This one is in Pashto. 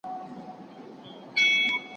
ولي هوډمن سړی د مخکښ سړي په پرتله خنډونه ماتوي؟